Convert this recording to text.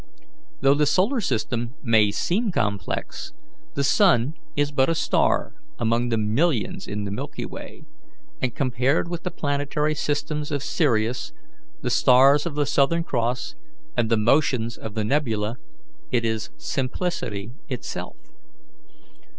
"Though the solar system may seem complex, the sun is but a star among the millions in the Milky Way, and, compared with the planetary systems of Sirius, the stars of the Southern Cross, and the motions of the nebula, it is simplicity itself.